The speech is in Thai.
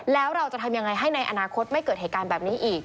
แล้วเราจะทำยังไงให้ในอนาคตไม่เกิดเหตุการณ์แบบนี้อีก